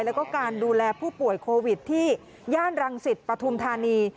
แล้วก็การดูแลผู้ป่วยโควิดที่ย่านรังสิตปฐุมธานี